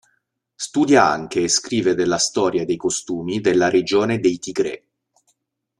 Studia anche e scrive della storia e dei costumi della Regione dei Tigrè.